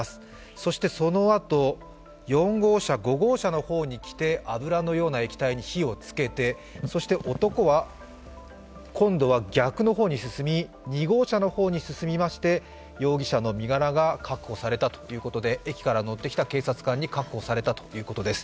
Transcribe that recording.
そしてそのあと、４号車、５号車の方に来て油のようなものに火をつけて男は今度は逆の方に進み、２号車の方に進みまして容疑者の身柄が確保されたということで駅から乗ってきた警察官に確保されたということです。